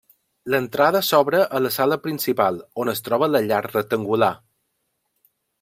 L'entrada s'obre a la sala principal, on es troba la llar rectangular.